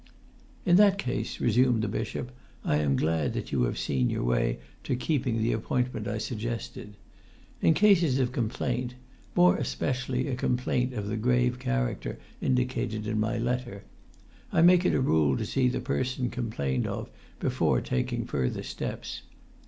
"In that case," resumed the bishop, "I am glad that you have seen your way to keeping the appointment I suggested. In cases of complaint—more especially a complaint of the grave character indicated in my letter—I make it a rule to see the person complained of before taking further steps.